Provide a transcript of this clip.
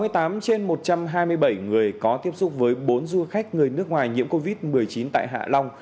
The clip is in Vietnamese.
tám mươi tám trên một trăm hai mươi bảy người có tiếp xúc với bốn du khách người nước ngoài nhiễm covid một mươi chín tại hạ long